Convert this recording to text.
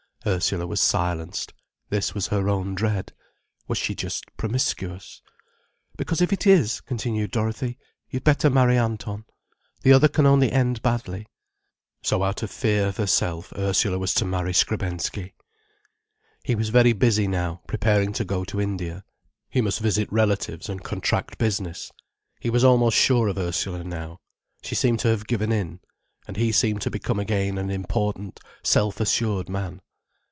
Ursula was silenced. This was her own dread. Was she just promiscuous? "Because if it is," continued Dorothy, "you'd better marry Anton. The other can only end badly." So out of fear of herself Ursula was to marry Skrebensky. He was very busy now, preparing to go to India. He must visit relatives and contract business. He was almost sure of Ursula now. She seemed to have given in. And he seemed to become again an important, self assured man.